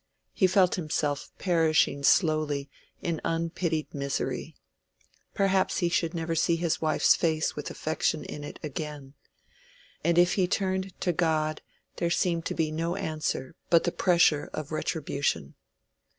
He felt himself perishing slowly in unpitied misery. Perhaps he should never see his wife's face with affection in it again. And if he turned to God there seemed to be no answer but the pressure of retribution.